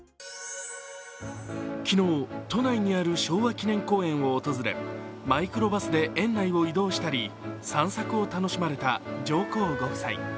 昨日、都内にある昭和記念公園を訪れマイクロバスで園内を移動したり散策を楽しまれた上皇ご夫妻。